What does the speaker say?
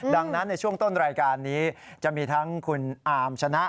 ดังนั้นในช่วงต้นรายการนี้จะมีทั้งคุณอามชนะ